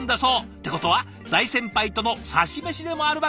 ってことは大先輩とのさし飯でもあるわけだ。